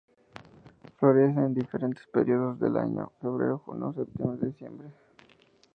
Florece en diferentes períodos del año: feb., jun., sept., dic.